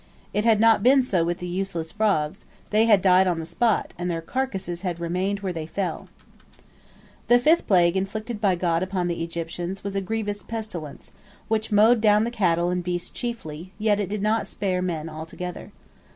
It had not been so with the useless frogs, they had died on the spot, and their carcasses had remained where they fell. The fifth plague inflicted by God upon the Egyptians was a grievous pestilence, which mowed down the cattle and beasts chiefly, yet it did not spare men altogether.